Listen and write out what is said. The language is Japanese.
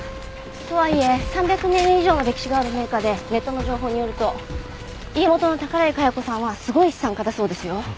とはいえ３００年以上の歴史がある名家でネットの情報によると家元の宝居茅子さんはすごい資産家だそうですよ。